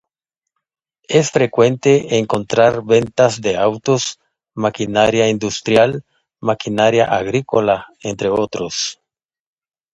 Es frecuente encontrar ventas de autos, maquinaria industrial, maquinaria agrícola, entre otros.